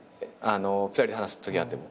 ２人で話すときがあっても。